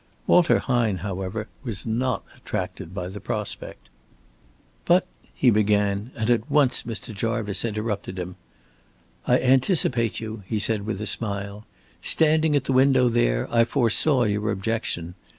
Walter Hine, however, was not attracted by the prospect. "But " he began, and at once Mr. Jarvice interrupted him. "I anticipate you," he said, with a smile. "Standing at the window there, I foresaw your objection.